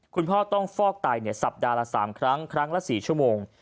คุณพ่อต้องฟอกไตสัปดาห์ละ๓ครั้งครั้งละ๔ชั่วโมง